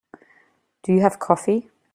Do you have coffee?